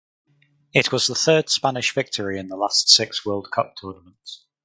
It was the third Spanish victory in the last six World Cup tournaments.